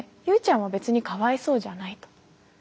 「友ちゃんは別にかわいそうじゃない」と。